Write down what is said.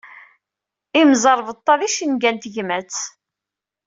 Imẓerbeḍḍa d icenga n tegmat.